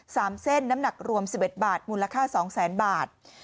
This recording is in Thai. สามเส้นน้ำหนักรวมสิบเอ็ดบาทมูลค่าสองแสนบาท